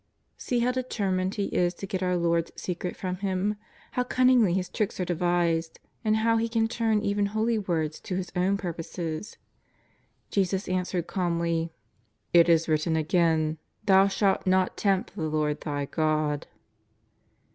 See how deter mined he is to get our Lord's secret from Him, how cun ningly his tricks are devised, and how he can turn even holy words to his own purposes. Jesus answered calmly : "It is written again : Thou shalt not tempt the Lord thy God."